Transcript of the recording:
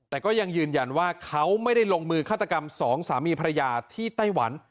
แต่ก็ยังยืนยันว่าเขาไม่ได้ลงมือฆาตกรรมสองสามีภรรยาที่ไต้หวัน